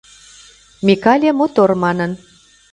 Микале мотор манын